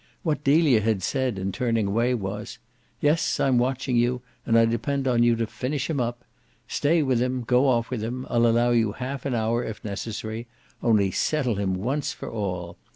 What Delia had said in turning away was "Yes, I'm watching you, and I depend on you to finish him up. Stay there with him, go off with him I'll allow you half an hour if necessary: only settle him once for all.